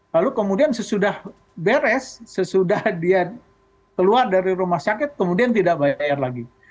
lalu kemudian sesudah beres sesudah dia keluar dari rumah sakit kemudian tidak bayar lagi